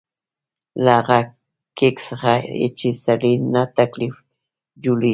له هغه کېک څخه چې سړي ته تکلیف جوړېږي.